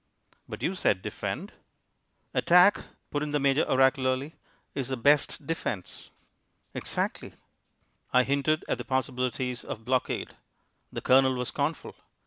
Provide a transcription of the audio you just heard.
"But you said `defend'." "Attack," put in the Major oracularly, "is the best defence." "Exactly." I hinted at the possibilities of blockade. The Colonel was scornful.